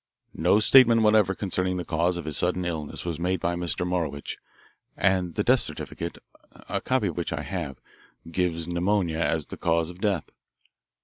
No statement whatever concerning the cause of his sudden illness was made by Mr. Morowitch, and the death certificate, a copy of which I have, gives pneumonia as the cause of death.